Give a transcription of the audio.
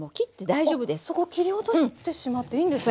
そこ切り落としてしまっていいんですね。